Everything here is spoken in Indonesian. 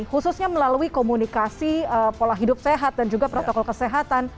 khususnya melalui komunikasi pola hidup sehat dan juga protokol kesehatan